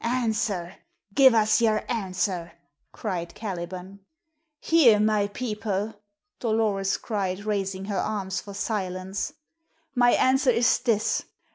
"Answer! Give us yer answer!" cried Caliban. "Hear, my people!" Dolores cried, raising her arms for silence. "My answer is this.